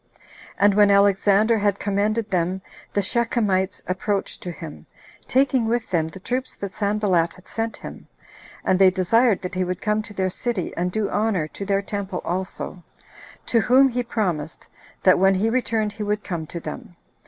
And when Alexander had commended them, the Shechemites approached to him, taking with them the troops that Sanballat had sent him, and they desired that he would come to their city, and do honor to their temple also; to whom he promised, that when he returned he would come to them.